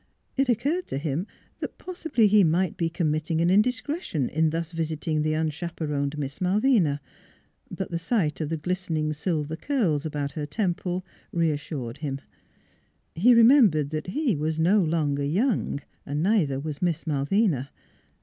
It occurred to him that possibly he might be committing an indiscretion in thus visiting the unchaperoned Miss Malvina. But the sight of the glistening silver curls about her temples reas sured him. He remembered that he was no longer young; neither was Miss Malvina.